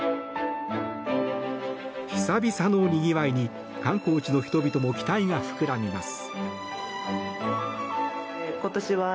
久々のにぎわいに観光地の人々も期待が膨らみます。